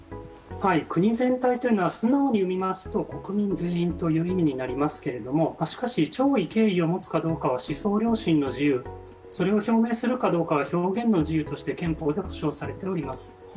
国全体というのは素直に見ますと国民全員という意味になりますけどしかし弔意敬意を持つかというのは思想の自由、それを表明するかどうかは表現の自由として憲法で保障されています。